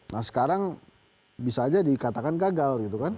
nah sekarang bisa aja dikatakan gagal gitu kan